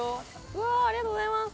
うわっありがとうございます！